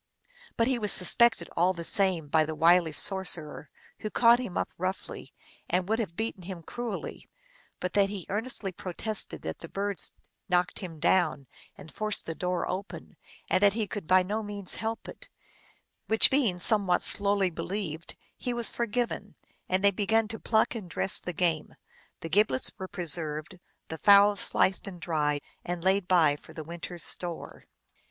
But he was suspected all the same by the wily sorcerer, who caught him up roughly, and would have beaten him cruelly but that he earnestly pro tested that the birds knocked him down and forced the door open, and that he could by no means help it : which being somewhat slowly believed, he was for given, and they began to pluck and dress the game. The giblets were preserved, the fowls sliced and dried and laid by for the winter s store.